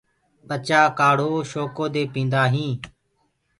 ٻچآ ڪآڙهو شوڪو دي پيندآ هينٚ۔